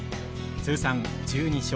通算１２勝。